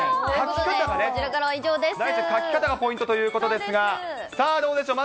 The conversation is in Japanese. なんか描き方がポイントということですが、さあどうでしょう。